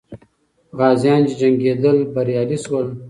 غازیان چې جنګېدل، بریالي سول.